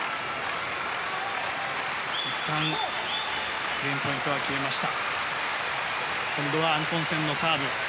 いったんゲームポイントは消えました。